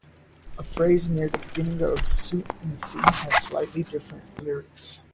A phrase near the beginning of "Suite in C" has slightly different lyrics.